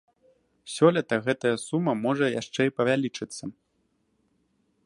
Сёлета гэтая сума можа яшчэ і павялічыцца.